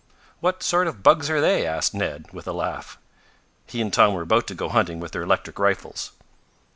"What sort of bugs are they?" asked Ned with a laugh. He and Tom were about to go hunting with their electric rifles.